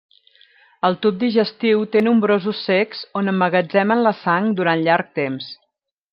El tub digestiu té nombrosos cecs on emmagatzemen la sang durant llarg temps.